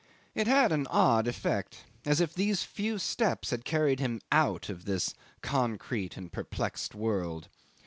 It had an odd effect as if these few steps had carried him out of this concrete and perplexed world.